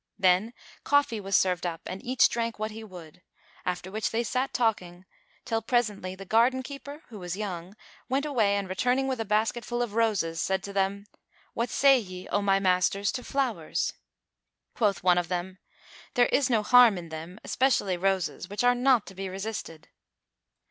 Then coffee[FN#412] was served up and each drank what he would, after which they sat talking, till presently the garden keeper who was young went away and returning with a basket full of roses, said to them, "What say ye, O my masters, to flowers?" Quoth one of them, "There is no harm in them,[FN#413] especially roses, which are not to be resisted."